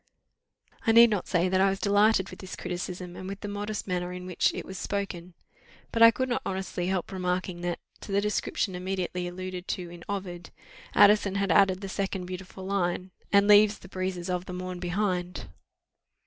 I need not say that I was delighted with this criticism, and with the modest manner in which it was spoken: but I could not honestly help remarking that, to the description immediately alluded to in Ovid, Addison had added the second beautiful line, "And leaves the breezes of the morn behind."